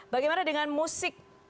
bagaimana dengan musik